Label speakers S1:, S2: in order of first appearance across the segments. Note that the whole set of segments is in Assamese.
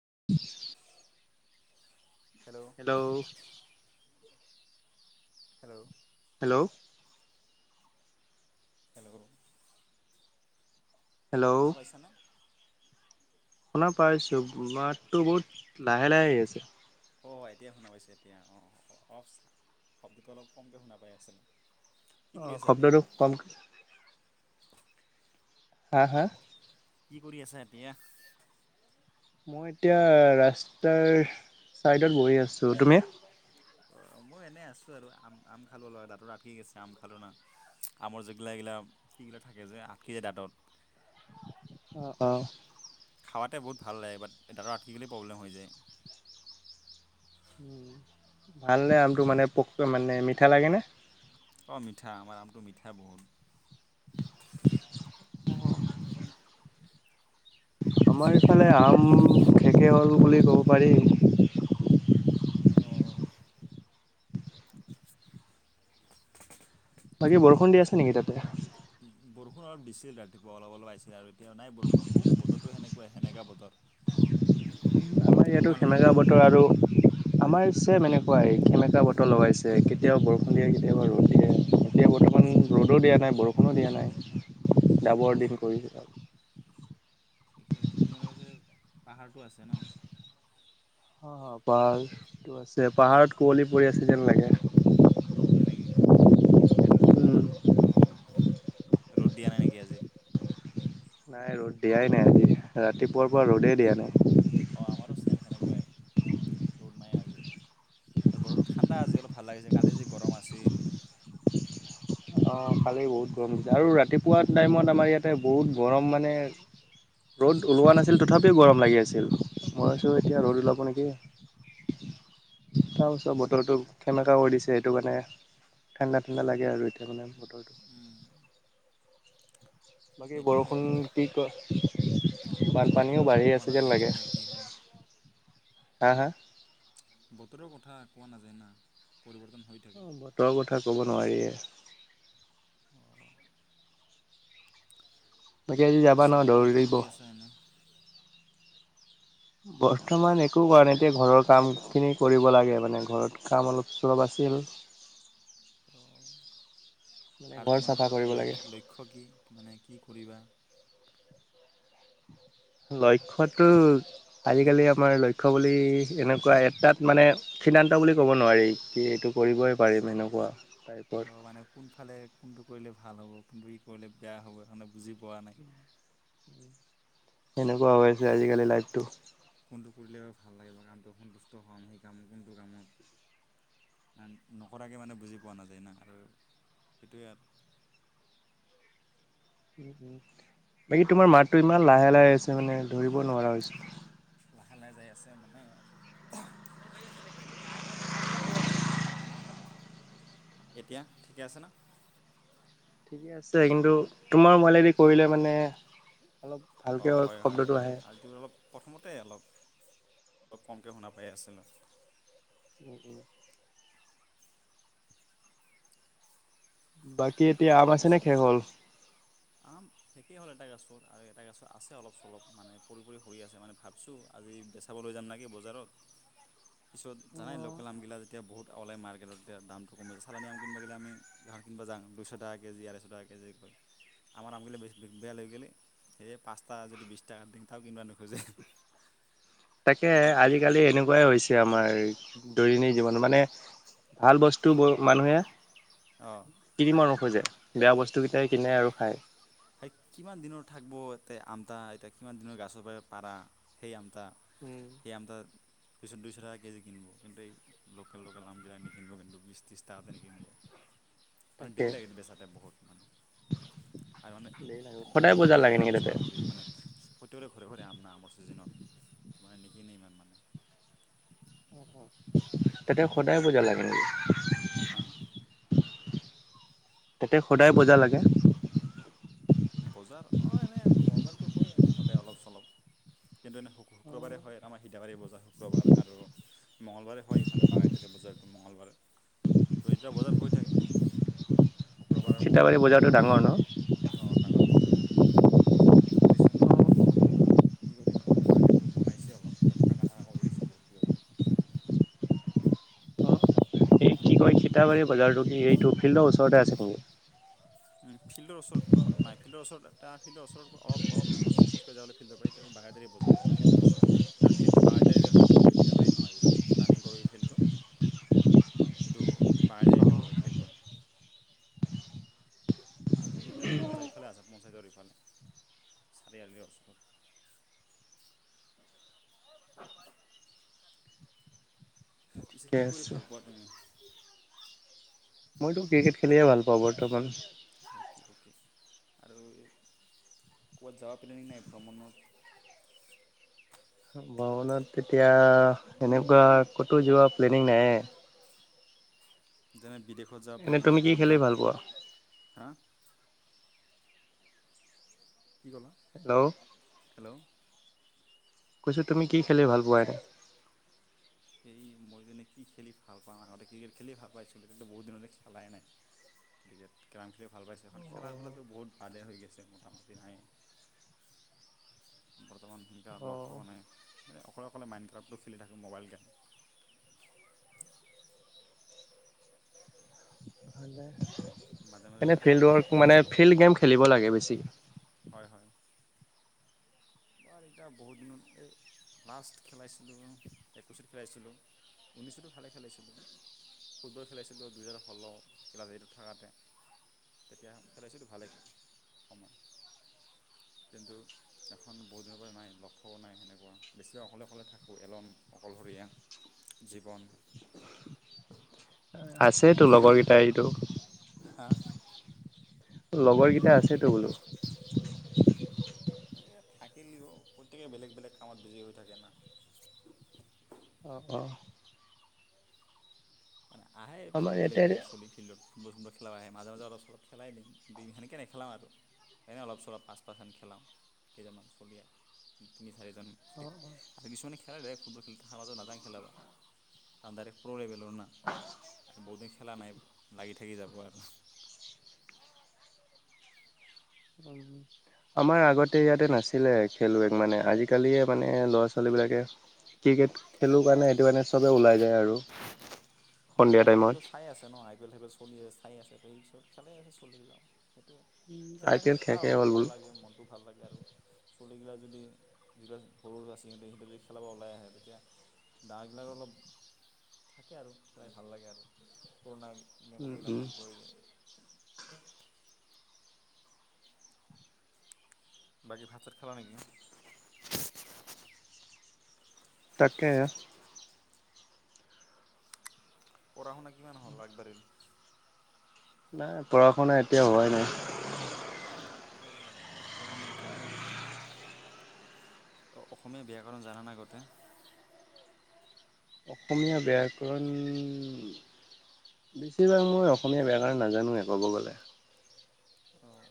S1: [inaudible] হেল্ল'
S2: হেল্ল'
S1: হু [unintelligible]
S2: হেল্ল'
S1: হেল্ল'
S2: খোণা পাইচ ন
S1: শুনা পাইছো মাততো বহুত লাহে লাহে আহ আছে
S2: অ এতিয়াই শুনা পাইছো এতিয়া অ অলপ শব্দটো অলপ কমকে শুনা পাই আছিলো
S1: অ খব্দটো কমক হা হা
S2: কি কৰি আছা এতিয়া
S1: মই এতিয়া ৰাস্তাৰ চাইডত বহি আছোঁ তুমি
S2: অ মই এনেই আছো আৰু আম আম খালো অলা দাঁতত আঁকি গৈছে আম খালো না আমৰ যগিলা এইগিলা কিগিলা থাকে যে আটকি যায় দাঁতত
S1: অ অ
S2: তাতে বহুভা ল লাগে কেতিয়াবা আথিকেলি প্ৰবলেম হৈ যায়
S1: উ ভাল ন আমটো মানে প মানে মিঠা লাগে ন
S2: অঁ মিঠা আমাৰ আমটো মিঠাই বহুত
S1: আমাৰ
S2: পিছে
S1: ইফালে আম খেকে হল বুলি ক'ব পাৰি
S2: অঁ
S1: বাকী বৰষুণ দি আছে নেকি তাতে
S2: বৰষুণ অলপ দিছিল ৰাতিপুৱা অলপ অলপ আহিছিলে আৰু এতিয়া নাই বৰোষুণ কিন্তু বতৰতটো সেনে কোৱা হেমেকা বতৰ
S1: আমাৰ ইয়াতো
S2: তোমালোকৰ
S1: সেমেকা বতৰ আৰু আমাৰ ছেইম এনেকুৱাই সেমেকা বতৰ লগাইছে কেতিয়াবা বৰষুণ দিয়ে কেতিয়াবা ৰ'দ দিয়ে এতিয়া বৰ্তমান ৰ'দো দিয়া নাই বৰষুণো দিয়া নাই
S2: ফালে
S1: ডাৱৰ দিন কৰিছে
S2: ঠিকে আছে তোমালোকৰ পাহাৰটো আছে ন'
S1: অ', পাহাৰটো আছে পাহাৰত কুঁৱলী পৰি আছে যেন লাগে
S2: হয় নেকি অঁ ৰ'দ দিয়া নাই নেকি আজি
S1: নাই ৰ'দ দিয়াই নাই আজি ৰাতিপুৱাৰ পৰা ৰ'দেই দিয়া নাই
S2: অঁ আমাৰো ছেম সেনেকুৱাই ৰ'দ নাই আজি বতৰো ঠাণ্ডা আজি অলপ ভাল লাগিছে কালি যি গৰম আছিল
S1: অঁ খালেই বহুত গৰম হৈছে আৰু ৰাতিপুৱা টাইমত আমাৰ ইয়াতে বহুত গৰম মানে ৰ'দ ওলোৱা নাছিল তথাপিও গৰম লাগি আছিল মই আছোঁ এতিয়া ৰ'দ ওলাব নেকি তাৰপিছত বতৰটো সেমেকা কৰি দিছে সেইটো কাৰণে ঠাণ্ডা ঠাণ্ডা লাগে আৰু এতিয়া সেইকাৰণে বতৰ
S2: উম
S1: বাকী
S2: সেইটোৱে
S1: বৰষুণ
S2: আৰু
S1: কি ক
S2: বতৰৰ
S1: বানপানীও
S2: কথা
S1: বাঢ়ি
S2: কোৱা
S1: আছে যেন
S2: নাযায়
S1: লাগে
S2: কেতিয়া কি হয়
S1: হা হা
S2: বতৰৰ কথা কোৱা নাযায় না পৰিৱৰ্তন হৈ থাকে
S1: অ বতৰৰ কথা ক'ব নোৱাৰীয়ে বাকী আজি যাবা
S2: পিছে
S1: ন
S2: বৰ্তমান কি
S1: ধৌৰিব?
S2: কৰি আছা এনে
S1: বৰ্তমান একো কাৰণ এতিয়া ঘৰৰ কামখিনি কৰিব লাগে মানে ঘৰত কাম অলপ চলপ আছিল
S2: ত
S1: মানে
S2: আৰু
S1: ঘৰ
S2: তোমাৰ
S1: চাফা
S2: এনে
S1: কৰিব লাগে
S2: লক্ষ লক্ষ্য কি মানে কি কৰিবা।
S1: লক্ষ্যটো। আজিকালি
S2: এনে
S1: আমাৰ লক্ষ্য বুলি। বুলি এনেকুৱা এটাত মানে সিদ্ধান্ত বুলি ক'ব নোৱাৰি কি এইটো কৰিবই পাৰিম এনেকুৱা।
S2: অ
S1: টাইপৰ
S2: মানে কোনফালে কোনটো কৰিলে ভাল হ'ব। কোনটো কি কৰিলে বেয়া হ'ব কাৰণে। বুজি পোৱা নাই।
S1: সেনেকুৱা হৈ আছে আজিকালি লাইটটো।
S2: কোনটো কৰিলে ভাল লাগে কামটো সন্তুষ্ট হম। সেই কাম কোনটো কামত নকৰাকৈ মানে বুজি পোৱা নাযায় ন। আৰু সেইটোৱে আৰু
S1: উ উম বাকী তোমাৰ মাততটো ইমান লাহে লাহে আছে মানে ধৰিব নোৱাৰা হৈছে।
S2: লাহে লাহে যাই আছে মানে আলসীফালে যাওঁ ৰ'বা এতিয়া ঠিকে আছে ন'।
S1: ঠিকে আছে কিন্তু তোমাৰ মোবাইলেদি কৰিলে মানে। অলপ
S2: অ'
S1: ভালকৈ
S2: হয় হয়
S1: শব্দটো
S2: হয়
S1: আহে।
S2: এইটো অলপ প্ৰথমতে অলপ অলপ কমকৈ শুনা পাই আছিলোঁ।
S1: উম উম। বাট। কি এতিয়া আম আছে
S2: পিছ
S1: নে শেষ হ'ল।
S2: আম শেষেই হ'ল এটা গছৰ আৰু এটা গছ আছে। অলপ চলপ মানে পৰি পৰি সৰি আছে। মানে ভাবছো আজি বেচাব লৈ যাম নেকী বজাৰত। পিছত জানাই লোকেল আমগিলা যেতিয়া বহুত। ওাই মাৰ্কেটত এতিয়া দামটো কমিছে চালানি আম কিনবা গেলে আমি জাহাজী আম কিনবা জাং দুইশ টকা কেজি আৰাইশ টকা কেজি কয়। আমাৰ আমগিলা বেছবা লৈ গলে এ পাঁচটা যদি বিশ টকাত দিম তও কিনিবা নোখোজে।
S1: তাকে
S2: মানে
S1: আজিকালি এনে এনেকুৱাই হৈছে আমাৰ দৈন্দিক জীৱনত মানে ভাল বস্তু ব মানুহে।
S2: অঁ
S1: তিনি মানসো যায়। বেয়া বস্তু কেইটাই কিনে আৰু খাই।
S2: এই কিমান দিনৰ থাকিব এ আমটা এতিয়া কিমান দিনৰ গাছৰ পৰা পাৰা সেই আম।
S1: উম,
S2: সেই আম তা। পিছত দুইশ টকা কেজি কিনিব কিন্তু এই লোকেল লোকেল আমগিল নিকিনিব। কিন্তু বিশছ ত্ৰিছ টকাতে নিকিনিব। মান
S1: তাকে
S2: দেৰি লাগে বেচাতে বহুত। মানে আৰু মানে
S1: সদায় বজাৰ
S2: গাঁৱলীয়া
S1: লাগে
S2: জাতনা
S1: নেকি
S2: বেচাব
S1: তাতে
S2: নোৱাৰি মানে প্ৰত্যেকৰে ঘৰে ঘৰে আমনা আমাৰ ছিজনত। ত মানে নিকিনি ইমান মানে।
S1: অ'হ। তেতিয়া সদায় বুজা লাগে নেকি।
S2: হা
S1: তাতে সদায় বজা লাগে।
S2: বজাৰ অ এনে নৰ্মেলটো হয় এনে সদায় অলপ চলপ। কিন্তু এনেই শু শুক্ৰবাৰে হয় আমাৰ সীদাবাৰী বজাৰ শুক্ৰবাৰ আৰু মঙলবাৰে হয় ইফালে বাগাইতালী বজাৰ। মঙ্গলবাৰে তো এতিয়া বজাৰ হৈ থাকে শুক্ৰবাৰ
S1: থিতাবাৰী বজাৰটো ডাঙৰ ন
S2: অ ডাঙৰ বজাৰে লিচেন কোও কোওকিমান টকা খৰচ কৰি জনাইছে অলপ কিবা থাক কৰি দিছে বহুত কিবা কিবি
S1: অই সীতাবাৰী বজাৰটো এই টুফিল্ডৰ ওচৰতে আছে নেকি
S2: ফিল্ডৰ ওচৰতো নাই ফিল্ডৰ ওচৰত এটা ফিল্ডৰ ওচৰত অলপখোজ কঢ়ি যাবলৈ ফিল্ডৰাৰিইটো বাগাইটাৰী বজাৰে এইটো ফিল্ডৰ ওচৰত আৰুফিল্ডটো বাগটাৰিৰে হয় ফিল্ডটো সিদাবাৰী নহয় যদিটো আমি ৰানিং কৰোঁ ফিল্ডটো সেইটো বাগাইটাৰিতে পৰে ফিল্ডটো আৰু সিড বজাৰিফালে আছে পঞ্চায়তৰ ইফালে চাৰিআলিৰ ওচৰত পিছে
S1: ঠিকে
S2: কি কৰি
S1: আছে
S2: ভাল পোৱা তুমি
S1: মইতো ক্ৰিকেট খেলি ভাল পাওঁ বৰ্তমান
S2: অ'কে অ'কে আৰু ক'ত যাৱা পেল নাই ভ্ৰমণত
S1: ভ্ৰমনত তেতিয়া সেনেকুৱা ক'তো যোৱা প্লেনিং নাইে
S2: যেনে বিদেশ কত যাম
S1: এনে
S2: প্লেং
S1: তুমি
S2: নাই
S1: কি খেলি ভাল পোৱা?
S2: ক'তহা কি ক'লা
S1: হেল্ল'
S2: হেল্ল'
S1: কৈছো তুমি কি খেলি ভাল পোৱা এনে
S2: সেই মই যেনে কি খেলি ভাল পাওঁ আগতে ক্ৰিকেট খেলি ভাল পাইছো তেতিয়া বহুত দিনতে খেলাই নাই ক্ৰিকেট কেৰম খেলি ভাল পাইছো এখন খেলা ধূলাটো বহুত বালে হৈ গৈছে মোটামুটি নাই বৰ্তমান তিনিটা লগত
S1: অ',
S2: নাই অকলে অকলে মাইণ্ড ক্ৰাফটো খেলি থাকোঁ মোবাইল গেম
S1: ভালে।
S2: মাজে মাজে
S1: এনে
S2: খেলাওঁ
S1: ফিল্ড ৱৰ্ক মানে ফিল্ড গেম খেলিব লাগে বেছি থিক
S2: হয় হয় হোৱাৰ এতিয়া বহুত দিনত এই লাষ্ট খেলাইছিলোঁ একৈছত খেলাইছিলোঁ ঊনৈছতো ভালে খেলাইছিলোঁ ফুটবল খেলাইছিলোঁ দুহেজাৰ ষোল্ল খেলাইছিলো থকাতে তেতিয়া খেলাইছিলোঁ ভালে সময় কিন্তু এখন খন বহুত দিনৰ পৰা নাই লও নাই সেনেকুৱা বেছিভাগ অকলে অকলে থাকোঁ এলন অকলশৰীয়া জীৱন
S1: আছেতো লগৰ কেইটাই এইটো
S2: হা
S1: লগৰকেইটা আছেতো বোলো
S2: থাকিলিও প্ৰত্যয়েকেই বেলেগ বেলেগ কামত বিজি হৈ থাকে না
S1: অ অ
S2: আহে
S1: আমাৰ
S2: বেগ বেলেগ
S1: ইয়াতে
S2: চলি ফিল্ডত ফুটবল খেল খেলা আহে মাজে মাজে অলপ চলপ খেলাই দিম বেছিকৈ নেখেলা আৰু এনেই অলপ চলপ পাঁচ পাঁচান খেলাওঁ কেইজনমান চলিয়াই চাৰিজন আৰু কিছুমানে খে কাৰ লেভক ফুটবল খেল সমাজ মাজত নাজা খেলাবা ডাইৰে্ প্ৰ লেভেললৰ না বহুতো খেলা নাই লাগি থাকি যাব আৰু
S1: আমাৰ আগতে ইয়াতে নাছিলে খেলুৱৈ মানে আজিকালিয়ে মানে ল'ৰা ছোৱালীবিলাকে ক্ৰিকেট খেলো কাৰণে সেইটো কাৰণে চবেই ওলাই যায় আৰু
S2: মই।
S1: সন্ধিয়া
S2: আই পি
S1: টাইমত।
S2: এলয়েটো চাই আছে ন আই পি এলয়ে সেইব চলি আছে খাই আছে ত এই পিছত খেলাই আছে চলি লাওঁ খেলা
S1: আই পি
S2: থাকিলে
S1: এল
S2: ভাল
S1: শেষে
S2: অলপ
S1: হ'ল
S2: ভাল
S1: বোলো।
S2: লাগে মনতটো ভাল লাগে আৰু চলগিলা যদি যগিলা সৰু সৰু ছৰা ছী সহঁতে সহঁতে যদি খেলাব ওলাই আহে তেতিয়া ডাৰগিলাক অলপ থাকে আৰু খাই ভাল লাগে আৰু পুৰণা এনে
S1: উম,
S2: কথাকেইটা
S1: উম,
S2: মনত পৰি যায় বাকী ভাত তাত খালা নেকি
S1: তাকে
S2: পঢ়া শুনা কিমান হ'ল আগবাঢ়িল
S1: নাই পঢ়া শুনা এতিয়া হোৱাই নাই
S2: অঁ হোৱাই নাই এতিয়া ন অসমীয়া বিয়াকৰণ জান নে আগতে
S1: অসমীয়া বেয়াকৰণ বেছিভাগ মই অসমীয়া বেয়াকৰণ নাজানোৱে ক'ব গ'লে
S2: আহ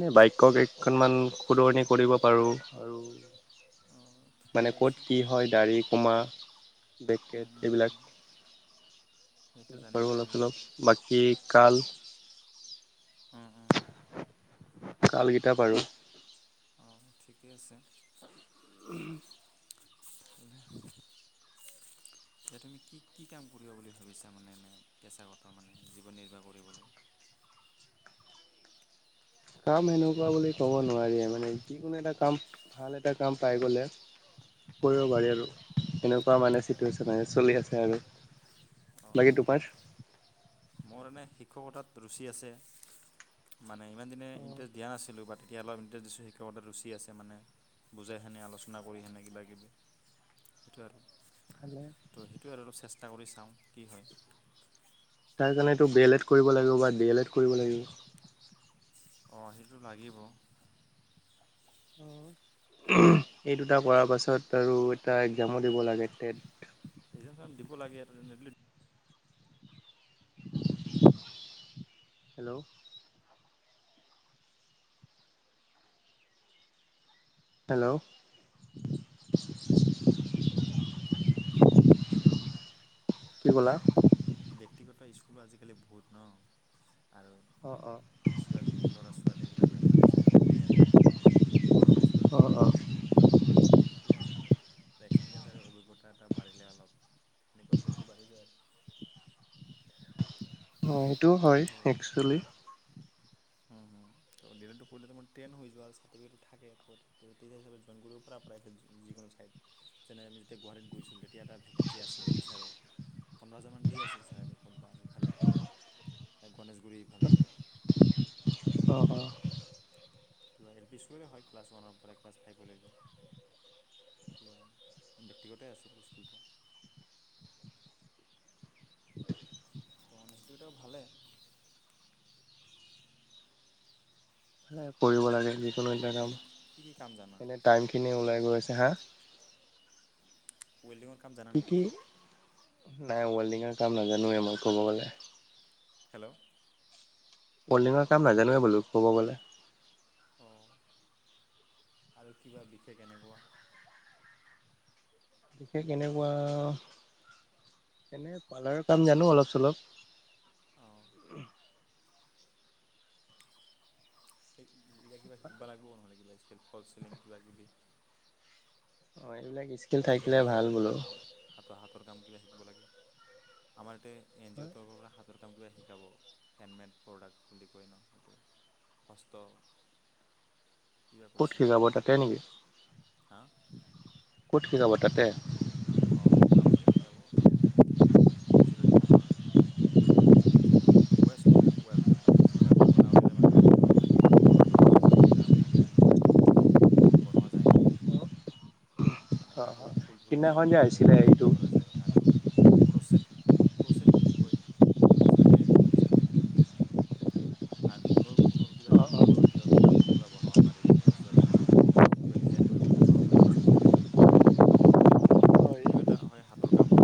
S1: এনে বাক্য কেইখনমান শুধৰণি কৰিব পাৰো আৰু
S2: অঁ
S1: মানে
S2: ঠিকে আছে।
S1: ক'ত কি হয় দাঢ়িখ কমাৰ বে
S2: উম উম উম
S1: এইবিলাকো
S2: সেইটো জানিবই
S1: অলপ
S2: লাগিব
S1: অলপ বাকী কাল [inaudible]
S2: উম উম
S1: কালকেইটা আৰু
S2: অঁ ঠিকেই আছে
S1: উম
S2: এ তুমি কি কি কাম কৰিবা বুলি ভাবিছা মানে এ পেচা কটা মানে জীৱন নিৰ্বাহ কৰিবলৈ
S1: কাম সেনেকুৱা বুলি ক'ব নোৱাৰি মানে যিকোনো এটা কাম ভাল এটা কাম পাই গ'লে কৰিব পাৰি আৰু সেনেকুৱা মানে চিটুৱেশ্যন চলি আছে আৰু
S2: অ
S1: বাকী
S2: সেইটোৱে
S1: তোমাৰ?
S2: মোৰ এনে শিক্ষকতাত ৰুচি আছে মানে ইমান দিনে ইণ্টাৰেষ্ট দিয়া আছে [unintelligible] এতিয়া অলপ ইনট্ৰেছ দিছু শিক্ষকতা ৰুচি আছে মানে বুজাই সেনে আলোচনা কৰি সেনে কিবা কিবি সেইটো আৰু ত' সেইটোৱে আৰু অলপ চেষ্টা চেষ্টা কৰি চাওঁ কি হয়
S1: তাৰ কাৰণেটো বি এল এড কৰিব লাগিব বা ডি এল এড কৰিব লাগিব
S2: অঁ সেইটো লাগিব
S1: এই দুটা কৰাৰ পাছত আৰু এটা একজামো দিব লাগে টেট
S2: একজাম দিব লাগে
S1: হেল্ল' হেল্ল' কি ক'লা
S2: সো আজিকালি বহুত ন আৰু
S1: অঁ অঁ
S2: বেছিভাগ ল'ৰা ছোৱালীবিলাক ব্যক্তিগত স্কুলতে দিয়ে আজিকালি গভাৰমেণ্ট স্কুলতো কম
S1: অঁ
S2: দিয়ে সেইটোৱে আৰু এক্সপিৰিয়েঞ্চ আৰু অভিজ্ঞতা এটা বাঢ়িলে অলপ সেনেকুৱা ভেলুটো বাঢ়ি যায়
S1: হয় সেইটো হয় একচুৱেলি
S2: ডি এল এড কৰিলে তাৰ মাৰ ট্ৰেইন হৈ যোৱা আৰু চাৰ্টিফিকেটটো থাকে টিচাৰ হিচাপত জোইন কৰিব পাৰা প্ৰাইভেট যিকোনো ছাইত যেনে আমি যেতিয়া গুৱাহাটীত গৈছিলোঁ তেতিয়া এটা ভেকেঞ্চি আছিল টিচাৰৰ পোন্ধৰ হাজাৰমান দি আছিল ছেলাৰি ক'তবা ইফালে গণেশগুৰি ইফালেকে
S1: অঁ অঁ
S2: কিবা এল পি স্কুললে হয় ক্লাছ ওৱানৰ পৰা ক্লাছ ফাইভলৈকে কিবা ব্যক্তিগতেই আছিল স্কুলটো ত মসটেইটাও ভালে
S1: কৰিব লাগে যিকোনো
S2: বাকী
S1: ইণ্টাকাম
S2: এনে কি কি কাম জানা
S1: এনেই টাইমখিনি ওলাই গৈ আছে হা
S2: ৱেল্ডিংৰ কাম জানা
S1: কি
S2: নেকি
S1: কি নাই ৱেল্ডিঙৰ কাম নাজানোৱে মই ক'ব গ'লে
S2: হেল্ল'
S1: ওল্ডিঙৰ কাম নাজানোৱেই বোলো ক'ব গ'লে
S2: অঁ আৰু কিবা বিশেষ এনেকুৱা
S1: বিশেষ কেনেকুৱা এনে পাৰ্লাৰৰ কাম জানো অলপ চলপ
S2: অঁ এতিয়া কিবা শিকিব লাগ নহ'লে কিবা ফল চিলিং কিবা কিবি
S1: অ এইবিলাক বিছে থাকিল
S2: কিবা
S1: থাকিলে ভাল
S2: দক্ষতা
S1: বোলো
S2: থকা কাম হাতৰ হাতৰ কাম কিবা শিকিব লাগে আমাৰ ইতে এন জি অ' তৰ পৰা হাতৰ ক কিবা শিকাব হেণ্ডমেড প্ৰডাক্ট বুলি কয় ন এইটো হস্ত কিবা
S1: ক'ত
S2: কৈছিল
S1: শিকাব
S2: অসমীয়া
S1: তাতে নেকি
S2: শব্দটো হা
S1: ঠিকাব তাতে
S2: অঁ ক্লাবতে শিকাব মানে কিবা কিবি জুৱেলৰী বনোৱা যেনে ৱেষ্ট টু ৱেল্থ মানে যিবিলাক অলাউট মানে কাপোৰ চাপোৰ থাকে দৰ্জৰ যিবিলাকাপ এইলাক কাপোৰৰেদি কিবাাকিবি বনোৱা যায় ন মানে
S1: অঁ অঁ
S2: কাপোৰত ফুল ধুল ডিজাইন
S1: সিদিনাখন যে
S2: কৰা যায়
S1: আহিছিলে
S2: কিবা
S1: এইটো
S2: কিবি কৰা যায় আৰু ক চট ক্ৰ'চট বুলি কয় চাগে শুনিছে চাগে আৰু ঊনৰ ঊণনৰ কিবা
S1: অঁ
S2: কিবি
S1: অঁ
S2: ঊলৰ কিবা কিবি মাফলা থাফলা বনাব পাৰি মজা চজা বনাব পাৰি কিবা ডিজাইন কৰি কৰি বনাব পাৰি ন ত'
S1: হয়
S2: সেইটো এটা হয় হাতৰ কাম হয়